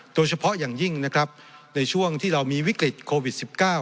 โดยเฉพาะอย่างยิ่งนะครับในช่วงที่เรามีวิกฤตโควิด๑๙